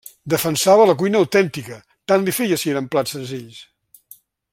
Defensava la cuina autèntica, tant li feia si eren plats senzills.